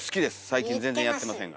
最近全然やってませんが。